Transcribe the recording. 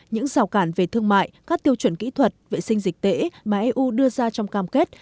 những rào cản về thương mại các tiêu chuẩn kỹ thuật vệ sinh dịch tễ mà eu đưa ra trong cam kết